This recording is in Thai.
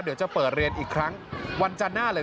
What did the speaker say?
เดี๋ยวจะเปิดเรียนอีกครั้งวันจันทร์หน้าเลย